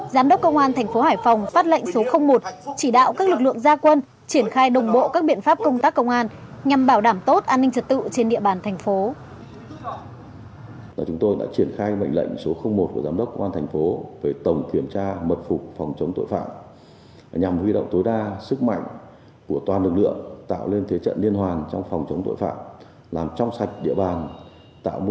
giám đốc công an tp hải phòng phát lệnh số một chỉ đạo các lực lượng gia quân triển khai đồng bộ các biện pháp công tác công an nhằm bảo đảm tốt an ninh trật tự trên địa bàn tp